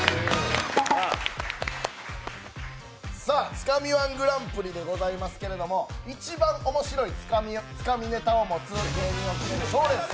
つかみ−１グランプリでございますけれども、一番面白いつかみネタを持つ芸人を決める賞レース。